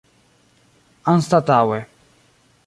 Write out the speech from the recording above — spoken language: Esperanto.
anstataŭe